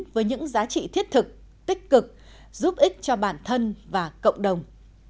với những giá trị thiết thực tích cực giúp ích cho bản thân và cộng đồng